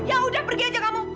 ya udah pergi aja kamu